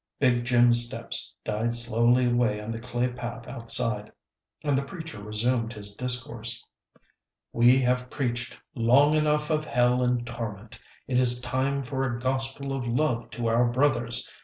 Big Jim's steps died slowly away on the clay path outside, and the preacher resumed his discourse. "We have preached long enough of hell and torment. It is time for a gospel of love to our brothers.